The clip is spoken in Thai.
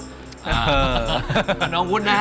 เออน้องวุดนะ